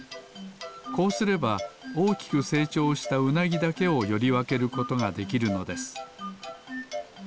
こうすればおおきくせいちょうしたウナギだけをよりわけることができるのです。